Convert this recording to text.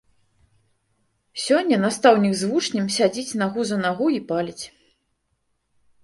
Сёння настаўнік з вучнем сядзіць нагу за нагу і паліць.